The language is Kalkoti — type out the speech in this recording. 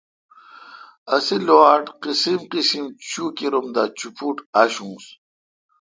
اسےلوآٹ قسیم قسیمچوکیر ام دا چوپوٹ آݭونس